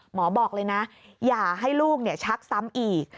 บอกเลยนะอย่าให้ลูกชักซ้ำอีก